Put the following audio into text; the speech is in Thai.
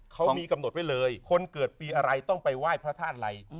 เขามีกำหนดไว้เลยคนเกิดปีอะไรต้องไปไหว้พระธาตุอะไร